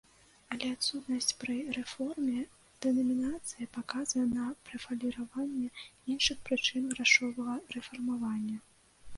Але адсутнасць пры рэформе дэнамінацыі паказвае на прэваліраванне іншых прычын грашовага рэфармавання.